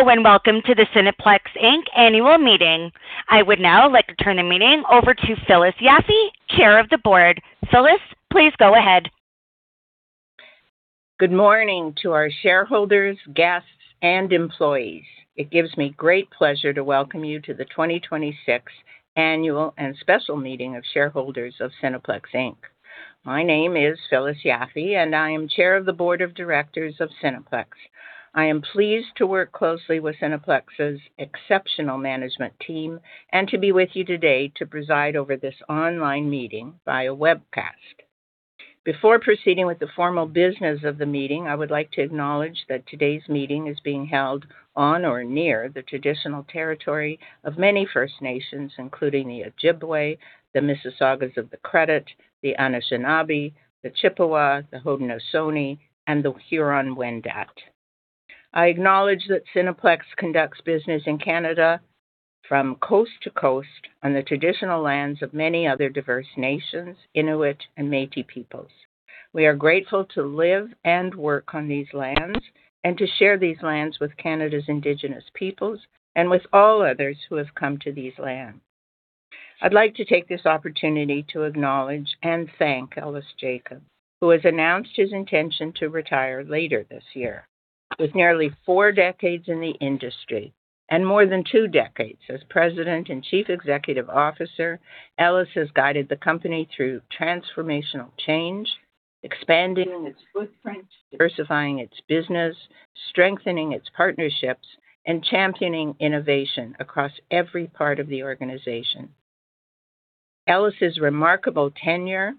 Hello, welcome to the Cineplex Inc. Annual Meeting. I would now like to turn the meeting over to Phyllis Yaffe, Chair of the Board. Phyllis, please go ahead. Good morning to our shareholders, guests, and employees. It gives me great pleasure to welcome you to the 2026 Annual and Special Meeting of Shareholders of Cineplex Inc. My name is Phyllis Yaffe, and I am Chair of the Board of Directors of Cineplex. I am pleased to work closely with Cineplex's exceptional management team and to be with you today to preside over this online meeting via webcast. Before proceeding with the formal business of the meeting, I would like to acknowledge that today's meeting is being held on or near the traditional territory of many First Nations, including the Ojibwa, the Mississaugas of the Credit, the Anishinaabe, the Chippewa, the Haudenosaunee, and the Huron-Wendat. I acknowledge that Cineplex conducts business in Canada from coast to coast on the traditional lands of many other diverse nations, Inuit and Métis peoples. We are grateful to live and work on these lands and to share these lands with Canada's Indigenous peoples and with all others who have come to these lands. I'd like to take this opportunity to acknowledge and thank Ellis Jacob, who has announced his intention to retire later this year. With nearly four decades in the industry and more than two decades as President and Chief Executive Officer, Ellis has guided the company through transformational change, expanding its footprint, diversifying its business, strengthening its partnerships, and championing innovation across every part of the organization. Ellis's remarkable tenure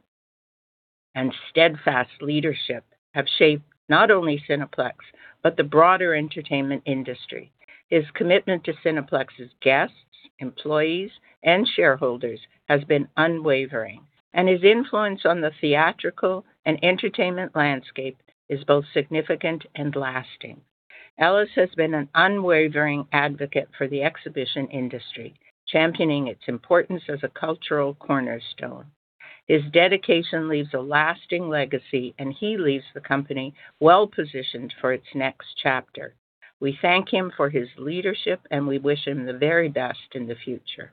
and steadfast leadership have shaped not only Cineplex but the broader entertainment industry. His commitment to Cineplex's guests, employees, and shareholders has been unwavering, and his influence on the theatrical and entertainment landscape is both significant and lasting. Ellis has been an unwavering advocate for the exhibition industry, championing its importance as a cultural cornerstone. His dedication leaves a lasting legacy, and he leaves the company well-positioned for its next chapter. We thank him for his leadership, and we wish him the very best in the future.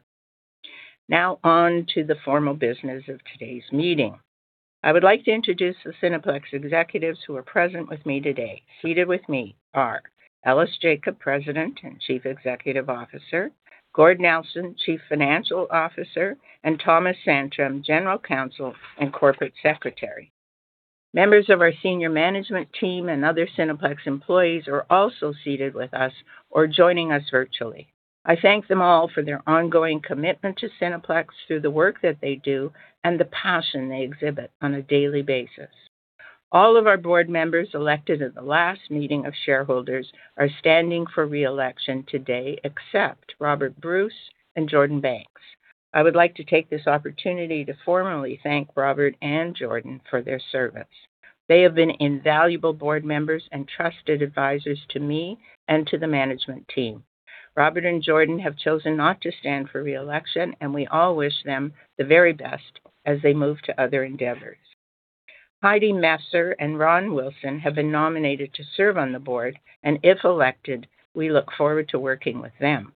Now on to the formal business of today's meeting. I would like to introduce the Cineplex executives who are present with me today. Seated with me are Ellis Jacob, President and Chief Executive Officer, Gord Nelson, Chief Financial Officer, and Thomas Santamaria, General Counsel and Corporate Secretary. Members of our senior management team and other Cineplex employees are also seated with us or joining us virtually. I thank them all for their ongoing commitment to Cineplex through the work that they do and the passion they exhibit on a daily basis. All of our board members elected at the last meeting of shareholders are standing for re-election today, except Robert Bruce and Jordan Banks. I would like to take this opportunity to formally thank Robert and Jordan for their service. They have been invaluable board members and trusted advisors to me and to the management team. Robert and Jordan have chosen not to stand for re-election, and we all wish them the very best as they move to other endeavors. Heidi Messer and Ron Wilson have been nominated to serve on the board, and if elected, we look forward to working with them.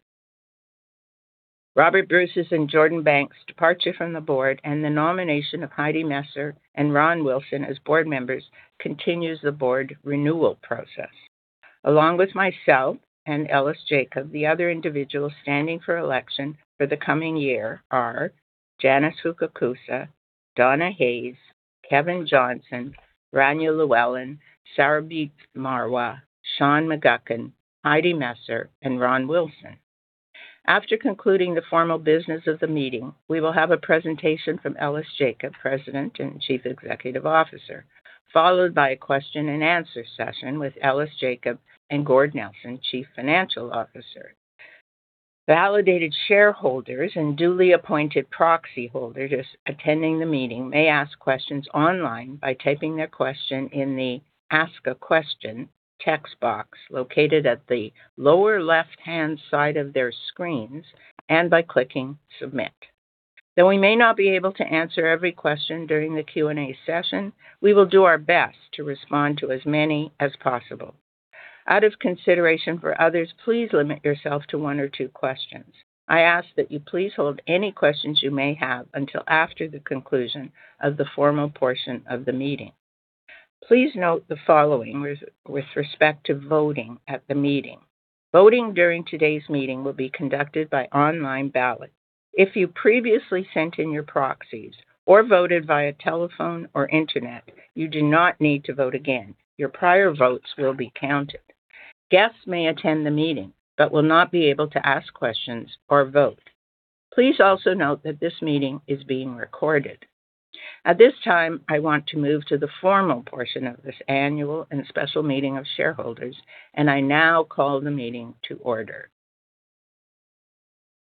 Robert Bruce's and Jordan Banks' departure from the board and the nomination of Heidi Messer and Ron Wilson as board members continues the board renewal process. Along with myself and Ellis Jacob, the other individuals standing for election for the coming year are Janice Fukakusa, Donna Hayes, Kevin Johnson, Rania Llewellyn, Sarabjit Marwah, Sean McGuckin, Heidi Messer, and Ron Wilson. After concluding the formal business of the meeting, we will have a presentation from Ellis Jacob, President and Chief Executive Officer, followed by a question-and-answer session with Ellis Jacob and Gord Nelson, Chief Financial Officer. Validated shareholders and duly appointed proxyholders attending the meeting may ask questions online by typing their question in the Ask a Question text box located at the lower left-hand side of their screens and by clicking Submit. Though we may not be able to answer every question during the Q&A session, we will do our best to respond to as many as possible. Out of consideration for others, please limit yourself to one or two questions. I ask that you please hold any questions you may have until after the conclusion of the formal portion of the meeting. Please note the following with respect to voting at the meeting. Voting during today's meeting will be conducted by online ballot. If you previously sent in your proxies or voted via telephone or internet, you do not need to vote again. Your prior votes will be counted. Guests may attend the meeting but will not be able to ask questions or vote. Please also note that this meeting is being recorded. At this time, I want to move to the formal portion of this annual and special meeting of shareholders, and I now call the meeting to order.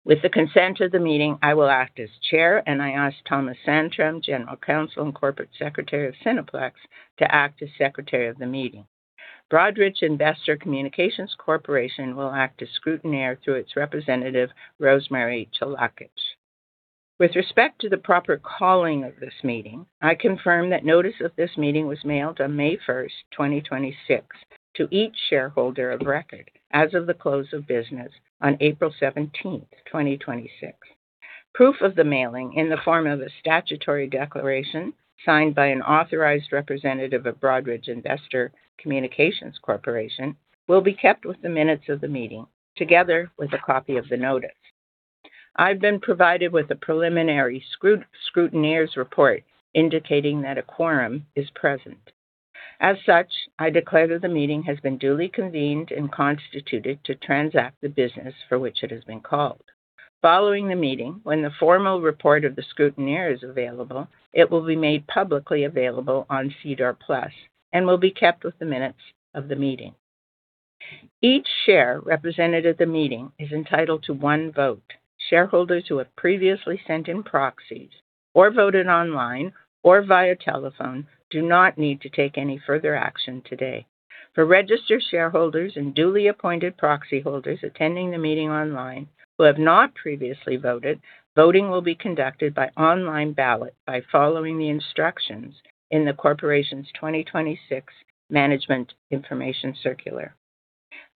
With the consent of the meeting, I will act as Chair, and I ask Thomas Santamaria, General Counsel and Corporate Secretary of Cineplex, to act as Secretary of the meeting. Broadridge Investor Communications Corporation will act as scrutineer through its representative, Rosemary Tsiolakis. With respect to the proper calling of this meeting, I confirm that notice of this meeting was mailed on May 1st, 2026, to each shareholder of record as of the close of business on April 17th, 2026. Proof of the mailing in the form of a statutory declaration signed by an authorized representative of Broadridge Investor Communications Corporation will be kept with the minutes of the meeting, together with a copy of the notice. I've been provided with a preliminary scrutineer's report indicating that a quorum is present. As such, I declare that the meeting has been duly convened and constituted to transact the business for which it has been called. Following the meeting, when the formal report of the scrutineer is available, it will be made publicly available on SEDAR+ and will be kept with the minutes of the meeting. Each share represented at the meeting is entitled to one vote. Shareholders who have previously sent in proxies or voted online or via telephone do not need to take any further action today. For registered shareholders and duly appointed proxy holders attending the meeting online who have not previously voted, voting will be conducted by online ballot by following the instructions in the corporation's 2026 Management Information Circular.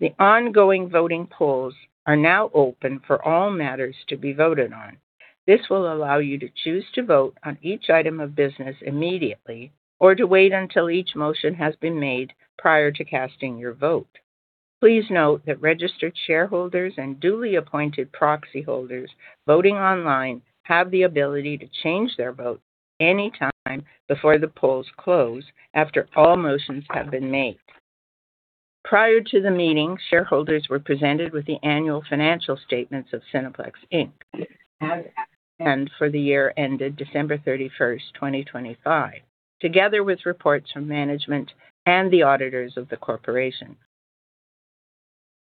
The ongoing voting polls are now open for all matters to be voted on. This will allow you to choose to vote on each item of business immediately, or to wait until each motion has been made prior to casting your vote. Please note that registered shareholders and duly appointed proxy holders voting online have the ability to change their vote any time before the polls close, after all motions have been made. Prior to the meeting, shareholders were presented with the annual financial statements of Cineplex Inc. as at and for the year ended December 31st, 2025, together with reports from management and the auditors of the corporation.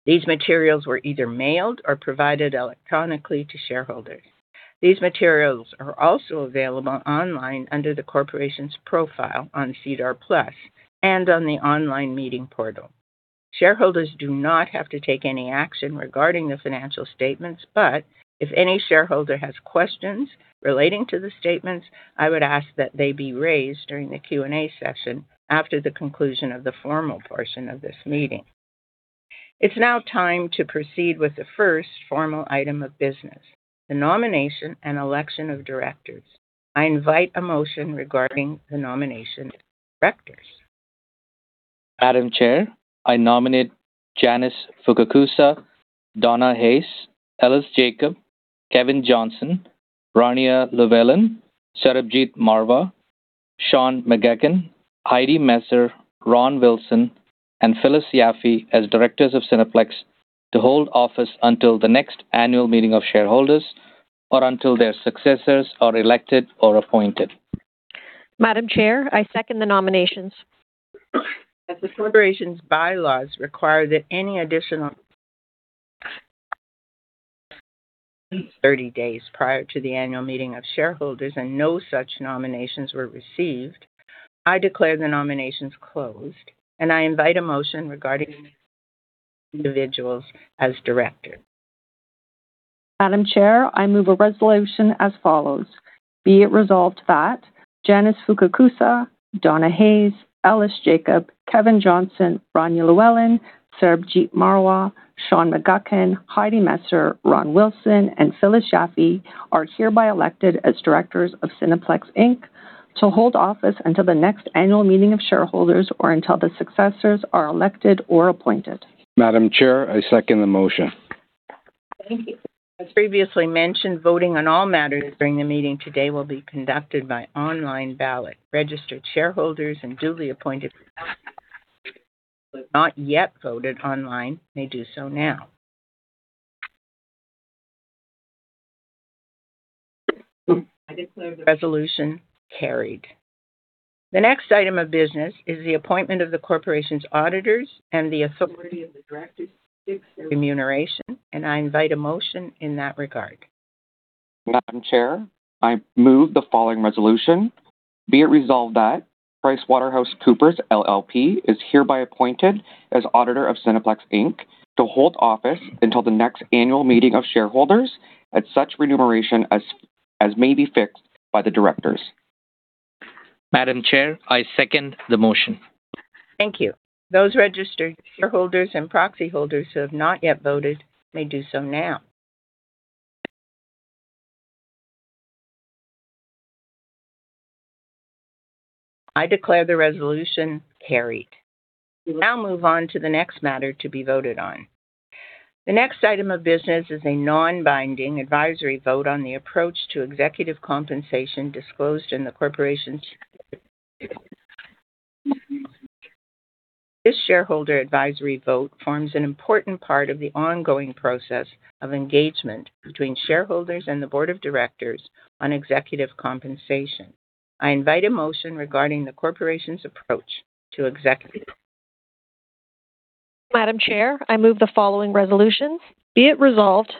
These materials were either mailed or provided electronically to shareholders. These materials are also available online under the corporation's profile on SEDAR+ and on the online meeting portal. Shareholders do not have to take any action regarding the financial statements, but if any shareholder has questions relating to the statements, I would ask that they be raised during the Q&A session after the conclusion of the formal portion of this meeting. It's now time to proceed with the first formal item of business, the nomination and election of directors. I invite a motion regarding the nomination of directors. Madam Chair, I nominate Janice Fukakusa, Donna Hayes, Ellis Jacob, Kevin Johnson, Rania Llewellyn, Sarabjit Marwah, Sean McGuckin, Heidi Messer, Ron Wilson, and Phyllis Yaffe as directors of Cineplex to hold office until the next annual meeting of shareholders, or until their successors are elected or appointed. Madam Chair, I second the nominations. As the corporation's bylaws require that nominations be received 30 days prior to the annual meeting of shareholders and no such nominations were received, I declare the nominations closed, and I invite a motion regarding these individuals as directors. Madam Chair, I move a resolution as follows. Be it resolved that Janice Fukakusa, Donna Hayes, Ellis Jacob, Kevin Johnson, Rania Llewellyn, Sarabjit Marwah, Sean McGuckin, Heidi Messer, Ron Wilson, and Phyllis Yaffe are hereby elected as directors of Cineplex Inc. to hold office until the next annual meeting of shareholders, or until the successors are elected or appointed. Madam Chair, I second the motion. Thank you. As previously mentioned, voting on all matters during the meeting today will be conducted by online ballot. Registered shareholders and duly appointed proxy holders have not yet voted online may do so now. I declare the resolution carried. The next item of business is the appointment of the corporation's auditors and the authority of the directors to fix their remuneration. I invite a motion in that regard. Madam Chair, I move the following resolution. Be it resolved that PricewaterhouseCoopers LLP is hereby appointed as auditor of Cineplex Inc. to hold office until the next annual meeting of shareholders at such remuneration as may be fixed by the directors. Madam Chair, I second the motion. Thank you. Those registered shareholders and proxy holders who have not yet voted may do so now. I declare the resolution carried. We now move on to the next matter to be voted on. The next item of business is a non-binding advisory vote on the approach to executive compensation disclosed in the corporation's. This shareholder advisory vote forms an important part of the ongoing process of engagement between shareholders and the board of directors on executive compensation. I invite a motion regarding the corporation's approach to executive. Madam Chair, I move the following resolutions. Be it resolved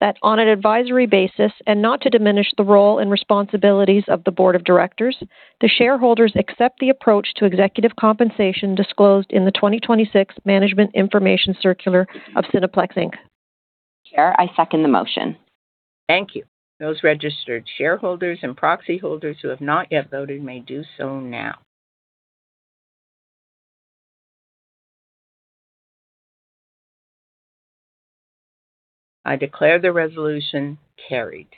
that on an advisory basis, and not to diminish the role and responsibilities of the board of directors, the shareholders accept the approach to executive compensation disclosed in the 2026 Management Information Circular of Cineplex Inc. Chair, I second the motion. Thank you. Those registered shareholders and proxy holders who have not yet voted may do so now. I declare the resolution carried.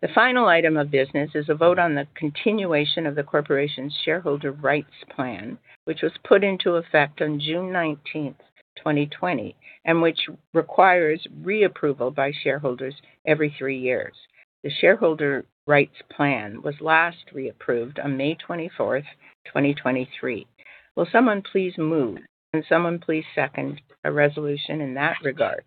The final item of business is a vote on the continuation of the corporation's shareholder rights plan, which was put into effect on June 19th, 2020, and which requires reapproval by shareholders every three years. The shareholder rights plan was last reapproved on May 24th, 2023. Will someone please move, and someone please second a resolution in that regard?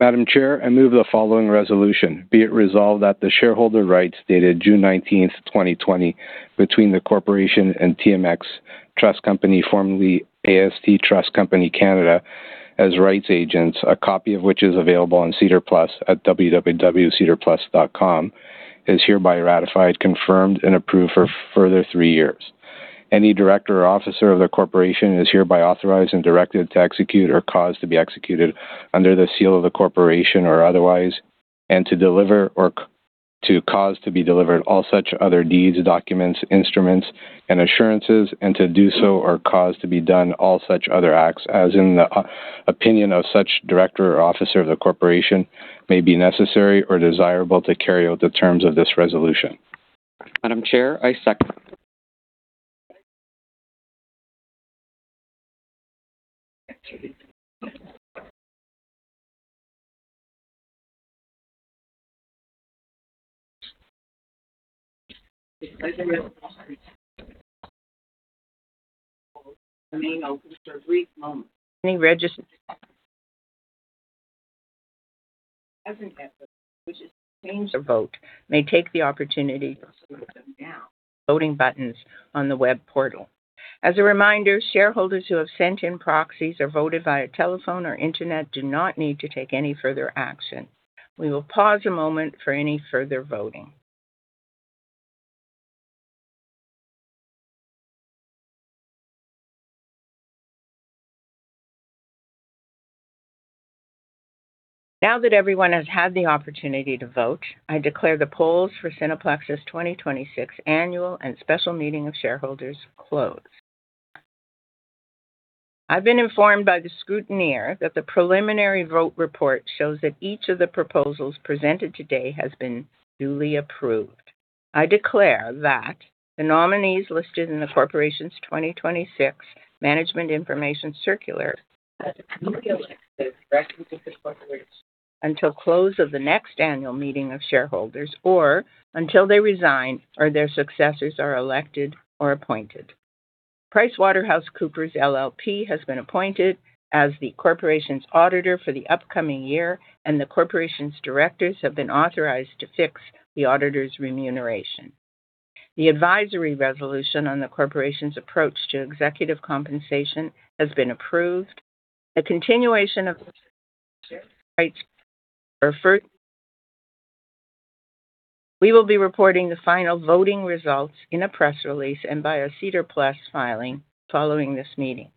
Madam Chair, I move the following resolution. Be it resolved that the shareholder rights dated June 19th, 2020, between the corporation and TMX Trust Company, formerly AST Trust Company (Canada), as rights agents, a copy of which is available on SEDAR+ at www.sedarplus.com, is hereby ratified, confirmed, and approved for a further three years. Any director or officer of the corporation is hereby authorized and directed to execute or cause to be executed under the seal of the corporation or otherwise and to deliver or to cause to be delivered all such other deeds, documents, instruments, and assurances, and to do so or cause to be done all such other acts as, in the opinion of such director or officer of the corporation, may be necessary or desirable to carry out the terms of this resolution. Madam Chair, I second. Actually. Remain open for a brief moment. Any registrant hasn't yet voted, or wishes to change their vote may take the opportunity to do so now. Voting buttons on the web portal. As a reminder, shareholders who have sent in proxies or voted via telephone or internet do not need to take any further action. We will pause a moment for any further voting. Now that everyone has had the opportunity to vote, I declare the polls for Cineplex's 2026 Annual and Special Meeting of Shareholders closed. I've been informed by the scrutineer that the preliminary vote report shows that each of the proposals presented today has been duly approved. I declare that the nominees listed in the corporation's 2026 Management Information Circular Until close of the next annual meeting of shareholders or until they resign or their successors are elected or appointed. PricewaterhouseCoopers LLP has been appointed as the corporation's auditor for the upcoming year, and the corporation's directors have been authorized to fix the auditor's remuneration. The advisory resolution on the corporation's approach to executive compensation has been approved. The continuation of the rights. We will be reporting the final voting results in a press release and via a SEDAR+ filing following this meeting.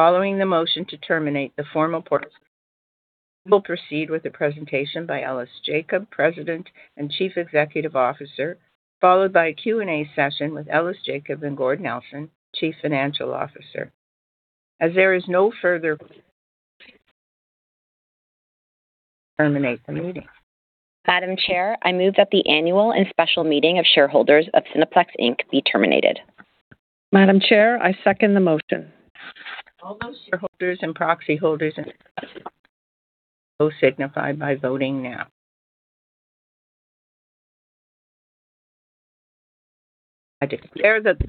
Following the motion to terminate the formal portion, we will proceed with the presentation by Ellis Jacob, President and Chief Executive Officer, followed by a Q&A session with Ellis Jacob and Gord Nelson, Chief Financial Officer. Terminate the meeting. Madam Chair, I move that the Annual and Special Meeting of Shareholders of Cineplex Inc. be terminated. Madam Chair, I second the motion. All those shareholders and proxy holders signify by voting now. I declare that the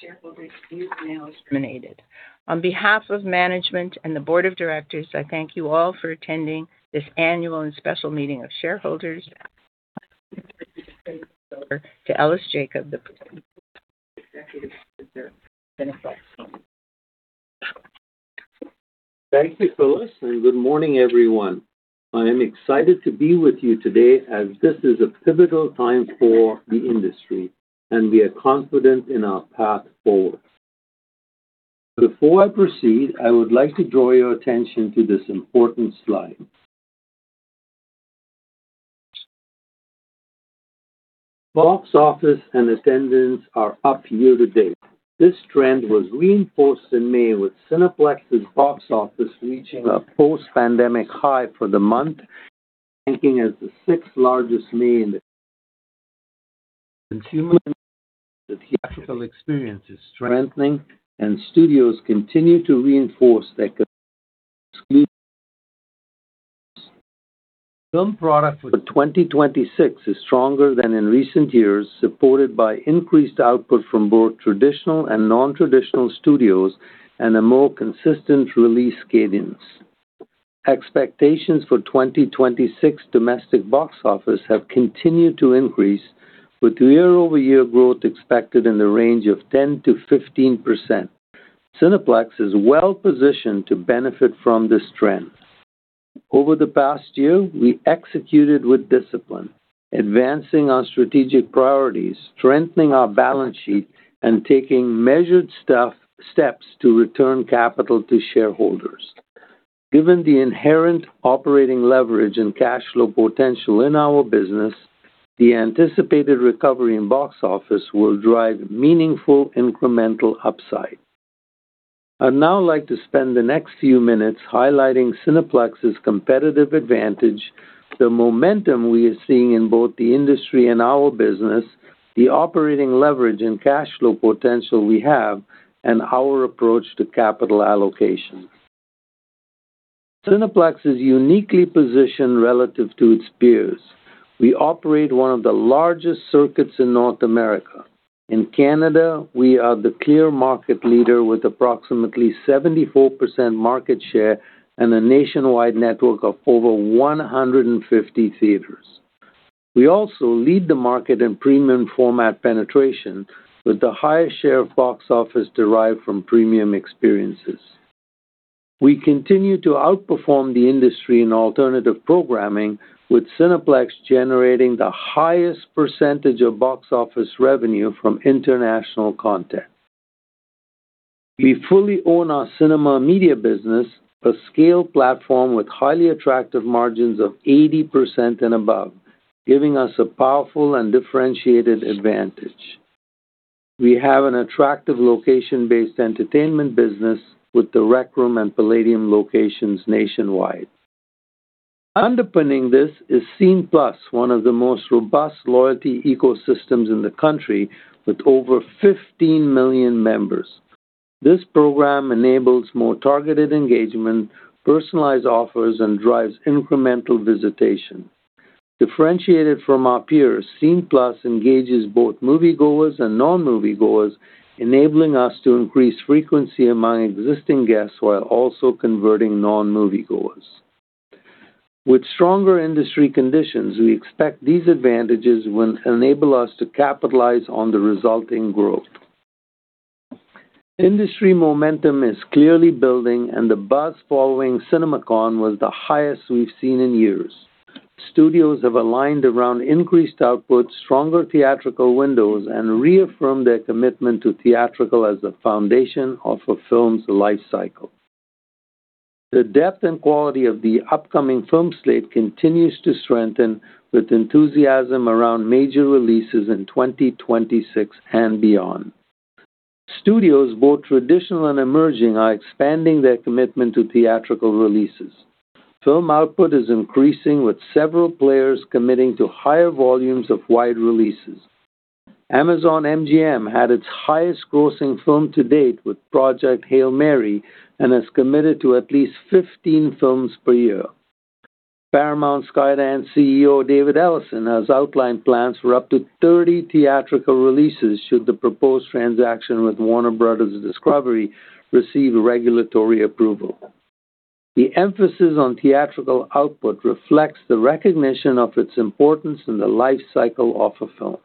shareholders meeting now is terminated. On behalf of management and the Board of Directors, I thank you all for attending this annual and special meeting of shareholders. I now turn the meeting over to Ellis Jacob, the President and Chief Executive Officer of Cineplex. Thank you, Phyllis, and good morning, everyone. I am excited to be with you today as this is a pivotal time for the industry, and we are confident in our path forward. Before I proceed, I would like to draw your attention to this important slide. Box office and attendance are up year to date. This trend was reinforced in May with Cineplex's box office reaching a post-pandemic high for the month, ranking as the sixth largest May in the Consumer confidence in the theatrical experience is strengthening and studios continue to reinforce their exclusive Film product for 2026 is stronger than in recent years, supported by increased output from both traditional and non-traditional studios and a more consistent release cadence. Expectations for 2026 domestic box office have continued to increase, with year-over-year growth expected in the range of 10%-15%. Cineplex is well-positioned to benefit from this trend. Over the past year, we executed with discipline, advancing our strategic priorities, strengthening our balance sheet, and taking measured steps to return capital to shareholders. Given the inherent operating leverage and cash flow potential in our business, the anticipated recovery in box office will drive meaningful incremental upside. I'd now like to spend the next few minutes highlighting Cineplex's competitive advantage, the momentum we are seeing in both the industry and our business, the operating leverage and cash flow potential we have, and our approach to capital allocation. Cineplex is uniquely positioned relative to its peers. We operate one of the largest circuits in North America. In Canada, we are the clear market leader with approximately 74% market share and a nationwide network of over 150 theaters. We also lead the market in premium format penetration with the highest share of box office derived from premium experiences. We continue to outperform the industry in alternative programming, with Cineplex generating the highest % of box office revenue from international content. We fully own our cinema media business, a scale platform with highly attractive margins of 80% and above, giving us a powerful and differentiated advantage. We have an attractive location-based entertainment business with The Rec Room and Playdium locations nationwide. Underpinning this is SCENE+, one of the most robust loyalty ecosystems in the country with over 15 million members. This program enables more targeted engagement, personalized offers, and drives incremental visitation. Differentiated from our peers, SCENE+ engages both moviegoers and non-moviegoers, enabling us to increase frequency among existing guests while also converting non-moviegoers. With stronger industry conditions, we expect these advantages will enable us to capitalize on the resulting growth. Industry momentum is clearly building, and the buzz following CinemaCon was the highest we've seen in years. Studios have aligned around increased output, stronger theatrical windows, and reaffirmed their commitment to theatrical as a foundation of a film's life cycle. The depth and quality of the upcoming film slate continues to strengthen with enthusiasm around major releases in 2026 and beyond. Studios, both traditional and emerging, are expanding their commitment to theatrical releases. Film output is increasing, with several players committing to higher volumes of wide releases. Amazon MGM had its highest-grossing film to date with Project Hail Mary and has committed to at least 15 films per year. Paramount Skydance CEO David Ellison has outlined plans for up to 30 theatrical releases should the proposed transaction with Warner Bros. Discovery receive regulatory approval. The emphasis on theatrical output reflects the recognition of its importance in the life cycle of a film.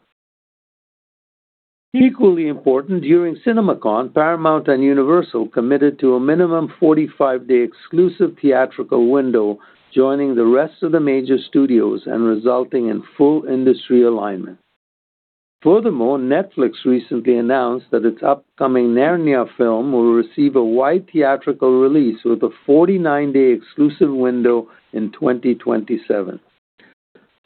Equally important, during CinemaCon, Paramount and Universal committed to a minimum 45-day exclusive theatrical window, joining the rest of the major studios and resulting in full industry alignment. Furthermore, Netflix recently announced that its upcoming Narnia film will receive a wide theatrical release with a 49-day exclusive window in 2027.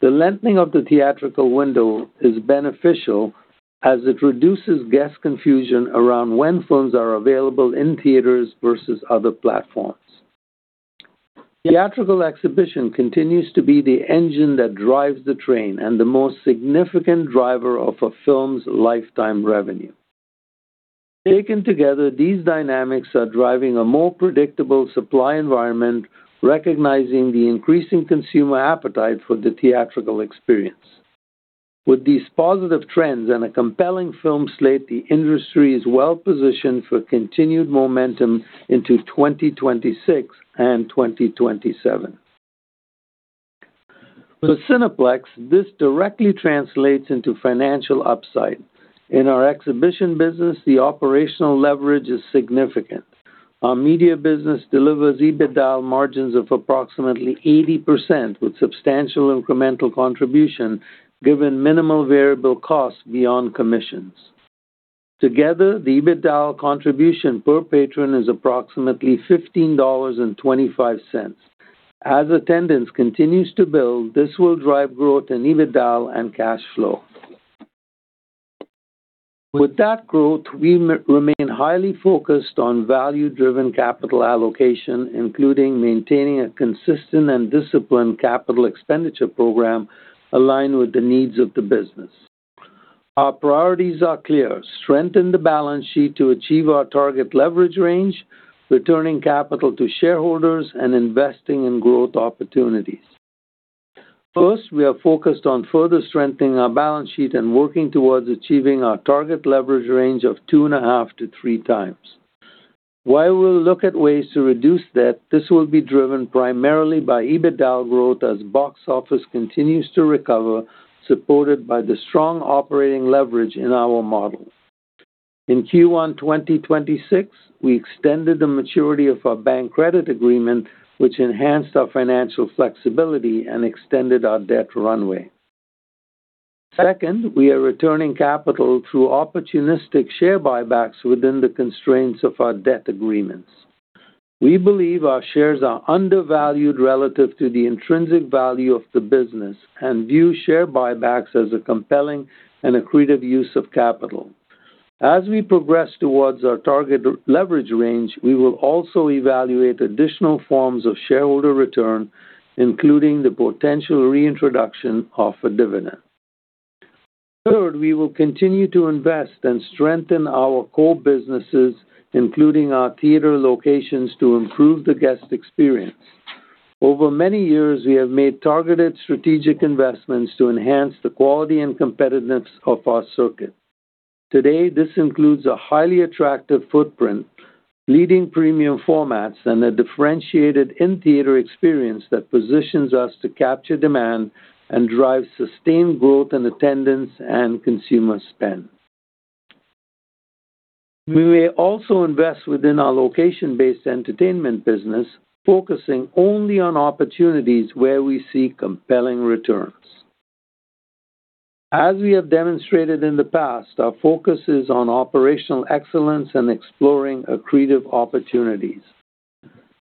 The lengthening of the theatrical window is beneficial as it reduces guest confusion around when films are available in theaters versus other platforms. Theatrical exhibition continues to be the engine that drives the train and the most significant driver of a film's lifetime revenue. Taken together, these dynamics are driving a more predictable supply environment, recognizing the increasing consumer appetite for the theatrical experience. With these positive trends and a compelling film slate, the industry is well positioned for continued momentum into 2026 and 2027. For Cineplex, this directly translates into financial upside. In our exhibition business, the operational leverage is significant. Our media business delivers EBITDA margins of approximately 80% with substantial incremental contribution given minimal variable costs beyond commissions. Together, the EBITDA contribution per patron is approximately 15.25 dollars. As attendance continues to build, this will drive growth in EBITDA and cash flow. With that growth, we remain highly focused on value-driven capital allocation, including maintaining a consistent and disciplined capital expenditure program aligned with the needs of the business. Our priorities are clear: strengthen the balance sheet to achieve our target leverage range, returning capital to shareholders, and investing in growth opportunities. First, we are focused on further strengthening our balance sheet and working towards achieving our target leverage range of two and a half to three times. While we'll look at ways to reduce debt, this will be driven primarily by EBITDA growth as box office continues to recover, supported by the strong operating leverage in our model. In Q1 2026, we extended the maturity of our bank credit agreement, which enhanced our financial flexibility and extended our debt runway. Second, we are returning capital through opportunistic share buybacks within the constraints of our debt agreements. We believe our shares are undervalued relative to the intrinsic value of the business and view share buybacks as a compelling and accretive use of capital. As we progress towards our target leverage range, we will also evaluate additional forms of shareholder return, including the potential reintroduction of a dividend. Third, we will continue to invest and strengthen our core businesses, including our theater locations to improve the guest experience. Over many years, we have made targeted strategic investments to enhance the quality and competitiveness of our circuit. Today, this includes a highly attractive footprint, leading premium formats, and a differentiated in-theater experience that positions us to capture demand and drive sustained growth in attendance and consumer spend. We may also invest within our location-based entertainment business, focusing only on opportunities where we see compelling returns. As we have demonstrated in the past, our focus is on operational excellence and exploring accretive opportunities.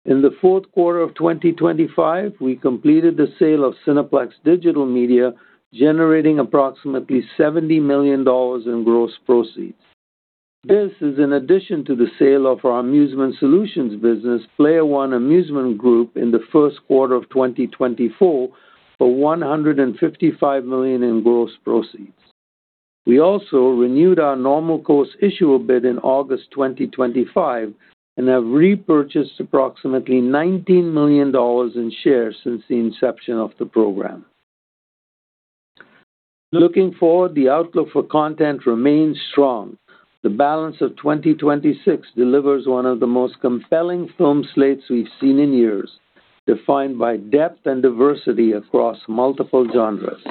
In the fourth quarter of 2025, we completed the sale of Cineplex Digital Media, generating approximately 70 million dollars in gross proceeds. This is in addition to the sale of our amusement solutions business, Player One Amusement Group, in the first quarter of 2024 for 155 million in gross proceeds. We also renewed our normal course issuer bid in August 2025 and have repurchased approximately 19 million dollars in shares since the inception of the program. Looking forward, the outlook for content remains strong. The balance of 2026 delivers one of the most compelling film slates we've seen in years, defined by depth and diversity across multiple genres.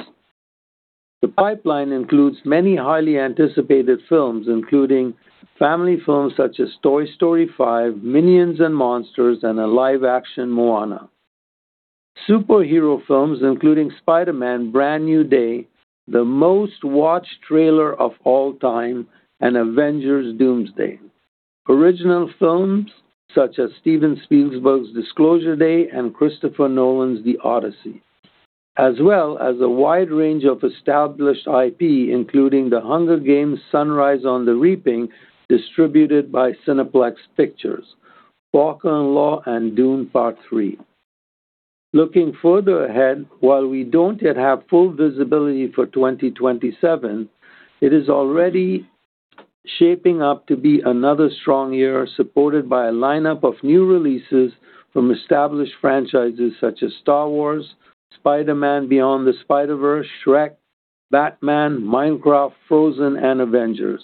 The pipeline includes many highly anticipated films, including family films such as Toy Story 5, Minions and Monsters, and a live-action Moana. Superhero films including Spider-Man: Brand New Day, the most-watched trailer of all time, and Avengers: Doomsday. Original films such as Steven Spielberg's Disclosure Day and Christopher Nolan's The Odyssey, as well as a wide range of established IP, including The Hunger Games: Sunrise on the Reaping, distributed by Cineplex Pictures, Walker & Law and Dune: Part Three. Looking further ahead, while we don't yet have full visibility for 2027, it is already shaping up to be another strong year, supported by a lineup of new releases from established franchises such as Star Wars, Spider-Man: Beyond the Spider-Verse, Shrek, Batman, Minecraft, Frozen, and Avengers.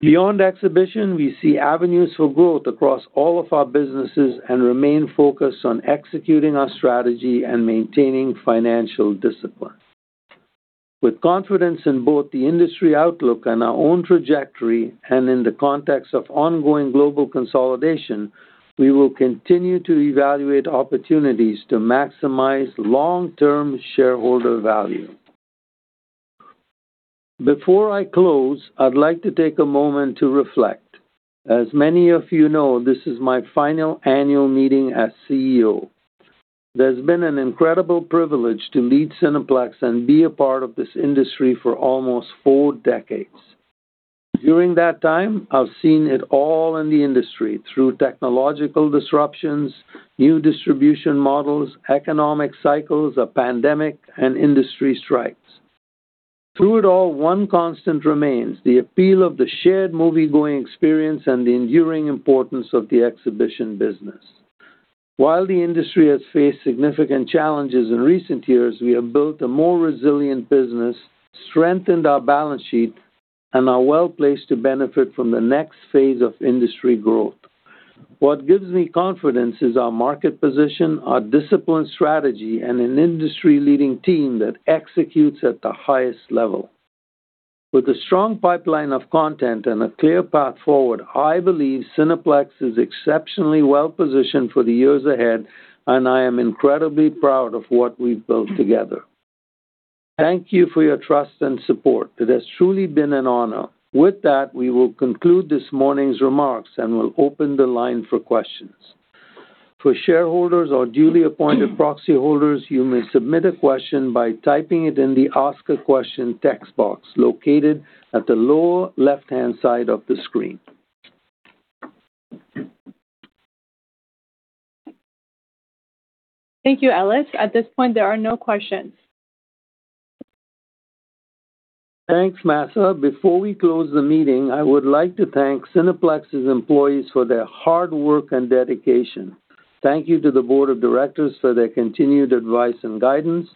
Beyond exhibition, we see avenues for growth across all of our businesses and remain focused on executing our strategy and maintaining financial discipline. With confidence in both the industry outlook and our own trajectory, and in the context of ongoing global consolidation, we will continue to evaluate opportunities to maximize long-term shareholder value. Before I close, I'd like to take a moment to reflect. As many of you know, this is my final annual meeting as CEO. There's been an incredible privilege to lead Cineplex and be a part of this industry for almost four decades. During that time, I've seen it all in the industry through technological disruptions, new distribution models, economic cycles, a pandemic, and industry strikes. Through it all, one constant remains: the appeal of the shared movie-going experience and the enduring importance of the exhibition business. While the industry has faced significant challenges in recent years, we have built a more resilient business, strengthened our balance sheet, and are well-placed to benefit from the next phase of industry growth. What gives me confidence is our market position, our disciplined strategy, and an industry-leading team that executes at the highest level. With a strong pipeline of content and a clear path forward, I believe Cineplex is exceptionally well-positioned for the years ahead, and I am incredibly proud of what we've built together. Thank you for your trust and support. It has truly been an honor. With that, we will conclude this morning's remarks and will open the line for questions. For shareholders or duly appointed proxy holders, you may submit a question by typing it in the Ask a Question text box located at the lower left-hand side of the screen. Thank you, Ellis. At this point, there are no questions. Thanks, Mahsa. Before we close the meeting, I would like to thank Cineplex's employees for their hard work and dedication. Thank you to the board of directors for their continued advice and guidance.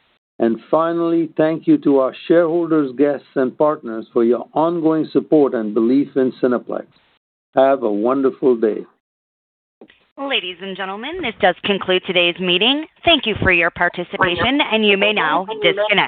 Finally, thank you to our shareholders, guests, and partners for your ongoing support and belief in Cineplex. Have a wonderful day. Ladies and gentlemen, this does conclude today's meeting. Thank you for your participation, and you may now disconnect.